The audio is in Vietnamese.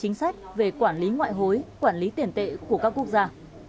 cơ chế chính sách về quản lý ngoại hối quản lý tiền tệ của các quốc gia